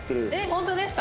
本当ですか！